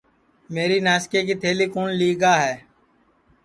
میری ناسکے کی تھلی کُوٹؔ لیگا ہے